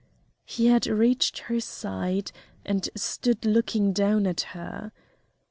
He had reached her side and stood looking down at her.